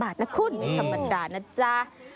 ๒๐๐๐๓๐๐๐บาทละคุณไม่ธรรมดานะจ๊ะ